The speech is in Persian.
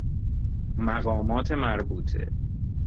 مقامات مربوطه